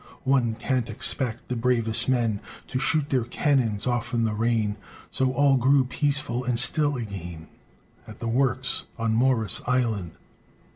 One can't expect the bravest men To shoot their cannons off in the rain, So all grew peaceful and still again, At the works on Morris' Island.